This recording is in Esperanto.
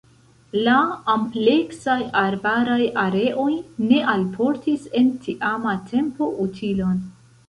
La ampleksaj arbaraj areoj ne alportis en tiama tempo utilon.